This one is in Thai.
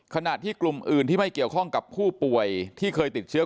ขณะที่กลุ่มอื่นที่ไม่เกี่ยวข้องกับผู้ป่วยที่เคยติดเชื้อ